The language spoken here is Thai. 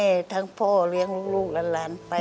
เป็นทั้งแม่ทั้งพ่อเลี้ยงลูกล้านไป